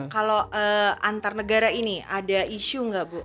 kalau antar negara ini ada isu nggak bu